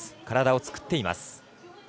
体を作っています。